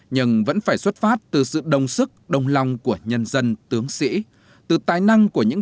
nhưng vẫn phải xuất phát từ sự đồng sức đồng lòng của nhân dân tướng sĩ từ tài năng của những